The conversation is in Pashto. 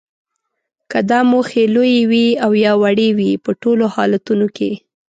که دا موخې لویې وي او یا وړې وي په ټولو حالتونو کې